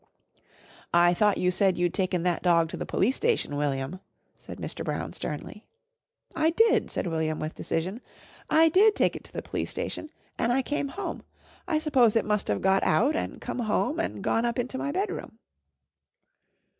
"I thought you said you'd taken that dog to the Police Station, William," said Mr. Brown sternly. "I did," said William with decision. "I did take it to the Police Station an' I came home. I s'pose it must of got out an' come home an' gone up into my bedroom."